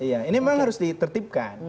iya ini memang harus ditertibkan